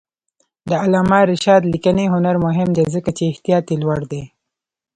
د علامه رشاد لیکنی هنر مهم دی ځکه چې احتیاط یې لوړ دی.